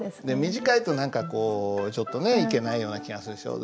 短いと何かこうちょっとねいけないような気がするでしょ。